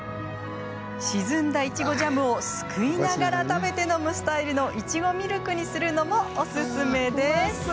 沈んだいちごジャムをすくいながら食べて飲むスタイルのいちごミルクにするのもオススメです。